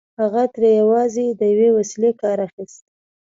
هغه ترې يوازې د يوې وسيلې کار اخيست.